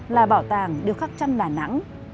là bảo tàng đều khắc trăng là nàng